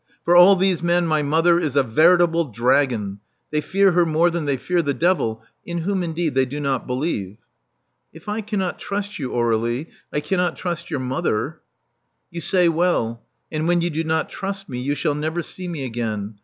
For all these men my mother is a veritable dragon. They fear her more than they fear the devil, in whom, indeed, they do not believe. If I cannot trust you, Aur^lie, I cannot trust your mother.'* *'You say well. And when you do not trust me, you shall never see me again.